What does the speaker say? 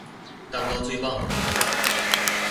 蛋糕最棒了